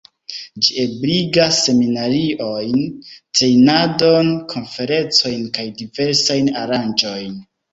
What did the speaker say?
Ĝi ebligas seminariojn, trejnadon, konferencojn kaj diversajn aranĝojn.